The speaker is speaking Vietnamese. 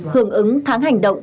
hưởng ứng tháng hành động